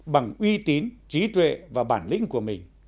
bằng uy tín trí tuệ và bản lĩnh của mình